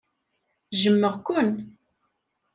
Jjmeɣ-ken.